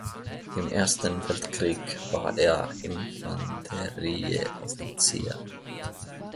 Im Ersten Weltkrieg war er Infanterieoffizier.